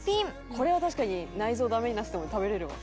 「これは確かに内臓ダメになってても食べれるわ」